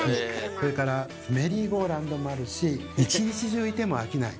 それからメリーゴーラウンドもあるし一日中いても飽きない